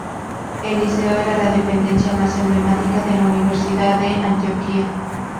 El liceo era la dependencia más emblemática de la universidad de Antioquia.